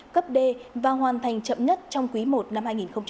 cấp đê và hoàn thành chậm nhất trong quý i năm hai nghìn hai mươi ba